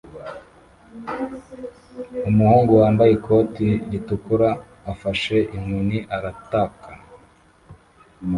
Umuhungu wambaye ikoti ritukura ufashe inkoni arataka